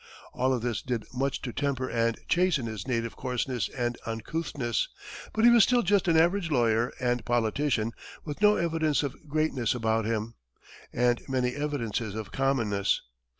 All of this did much to temper and chasten his native coarseness and uncouthness, but he was still just an average lawyer and politician, with no evidence of greatness about him, and many evidences of commonness.